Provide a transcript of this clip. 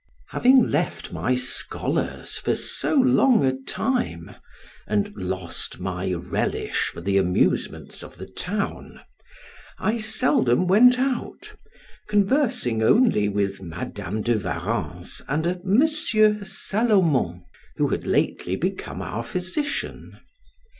Having left my scholars for so long a time, and lost my relish for the amusements of the town, I seldom went out, conversing only with Madam de Warrens and a Monsieur Salomon, who had lately become our physician.